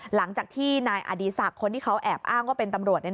หลังจากที่นายอดีศักดิ์คนที่เขาแอบอ้างว่าเป็นตำรวจ